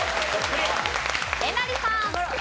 えなりさん。